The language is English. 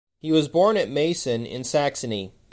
He was born at Meissen in Saxony.